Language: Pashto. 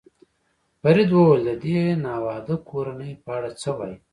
فرید وویل: د دې ناواده کورنۍ په اړه څه وایې؟